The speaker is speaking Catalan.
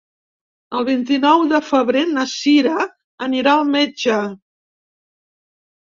El vint-i-nou de febrer na Sira anirà al metge.